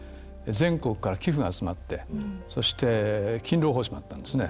全国から寄付が集まって、そして勤労奉仕があったんですね。